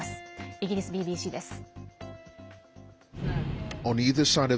イギリスＢＢＣです。